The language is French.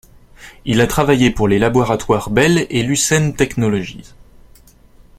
Il a travaillé pour les laboratoires Bell et Lucent Technologies.